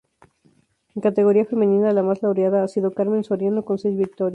En categoría femenina la más laureada ha sido Carmen Soriano, con seis victorias.